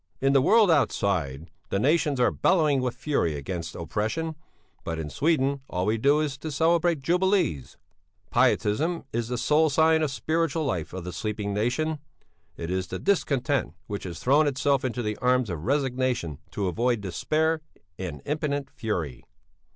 "'In the world outside the nations are bellowing with fury against oppression; but in Sweden all we do is to celebrate jubilees. "'Pietism is the sole sign of spiritual life of the sleeping nation; it is the discontent which has thrown itself into the arms of resignation to avoid despair and impotent fury.